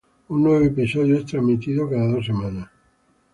Un nuevo episodio es transmitido cada dos semanas.